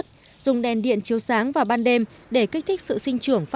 các nền điện chiếu sáng và ban đêm để kích thích sự sinh trưởng và hỗ trợ